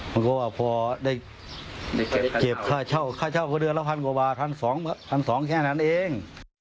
มันก็ว่าพอได้เก็บค่าเช่าค่าเช่าก็เดือนละพันกว่า๑๒๐๐แค่นั้นเอง